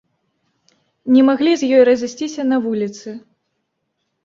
Не маглі з ёй разысціся на вуліцы.